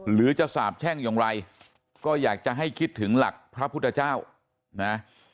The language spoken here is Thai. หรือจะสาบแช่งอย่างไรก็อยากจะให้คิดถึงหลักพระพุทธเจ้านะ